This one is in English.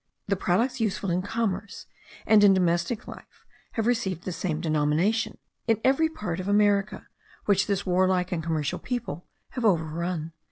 The products useful in commerce and in domestic life have received the same denomination in every part of America which this warlike and commercial people have overrun.)